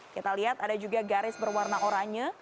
kita lihat ada juga garis berwarna oranye